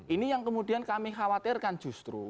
ini yang kemudian kami khawatirkan justru